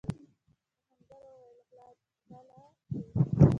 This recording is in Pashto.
آهنګر وويل: غله دي!